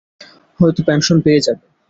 হয়তো পেনশন পেয়ে যাবে।